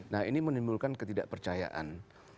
nah ini menimbulkan ketidakpercayaan